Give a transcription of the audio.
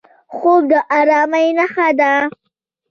خوب د ارامۍ نښه ده